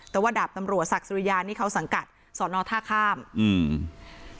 แต่ว่าดาบตำรวจศักดิ์สุริยานี่เขาสังกัดสอนอท่าข้ามอืม